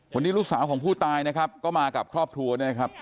วันนี้ลูกสาวของผู้ตายนะครับก็มากับครอบครัวเนี่ยนะครับ